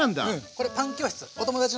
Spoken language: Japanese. これパン教室。